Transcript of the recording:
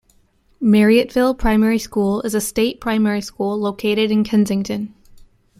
Marryatville Primary School is a state primary school, located in Kensington.